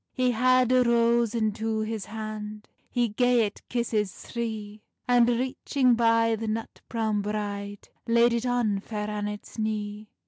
He had a rose into his hand, He gae it kisses three, And reaching by the nut browne bride, Laid it on Fair Annet's knee.